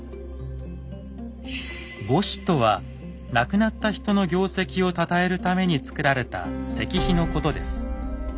「墓誌」とは亡くなった人の業績をたたえるためにつくられた石碑のことです。